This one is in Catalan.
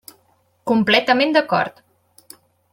Completament d'acord.